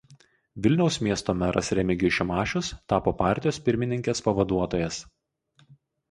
Vilniaus miesto meras Remigijus Šimašius tapo partijos pirmininkės pavaduotojas.